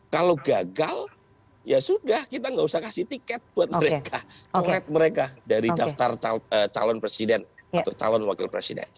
kalau gagal ya sudah kita nggak usah kasih tiket buat mereka coret mereka dari daftar calon presiden atau calon wakil presiden